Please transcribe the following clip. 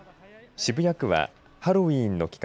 渋谷区はハロウィーンの期間